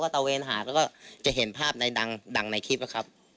ก็เตาแวนหาก็จะเห็นภาพใหนดังดังในคลิปละครับ